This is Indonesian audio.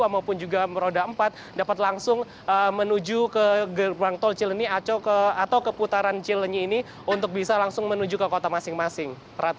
maupun juga roda empat dapat langsung menuju ke gerbang tol cilenyi atau ke putaran cilenyi ini untuk bisa langsung menuju ke kota masing masing